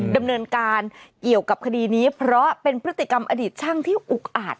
ดำเนินการเกี่ยวกับคดีนี้เพราะเป็นพฤติกรรมอดีตช่างที่อุกอาจ